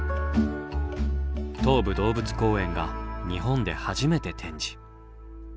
東武動物公園が日本で初めて展示。